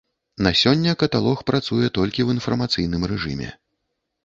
На сёння каталог працуе толькі ў інфармацыйным рэжыме.